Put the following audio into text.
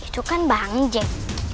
itu kan bang jack